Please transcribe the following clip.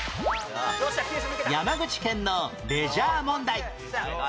山口県のレジャー問題